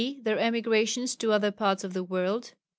Their emigrations to other parts of the world.